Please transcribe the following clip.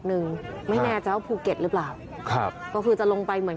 หนึ่งไม่แน่ใจว่าภูเก็ตหรือเปล่าครับก็คือจะลงไปเหมือน